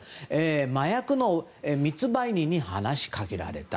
麻薬の密売人に話しかけられた。